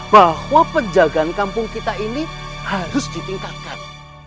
bahwa penjagaan kampung kita ini harus ditingkatkan